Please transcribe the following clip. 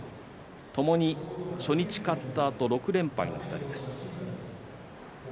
ともに初日勝ったあと６連敗の２人です。